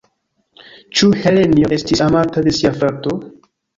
Ĉu Helenjo estis amata de sia frato?